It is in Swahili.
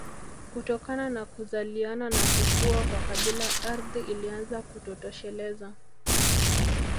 Kutokana na kuzaliana na kukua kwa kabila ardhi ilianza kutotosheleza